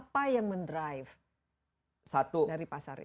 apa yang mendrive dari pasar ini